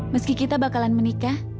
meski kita bakalan menikah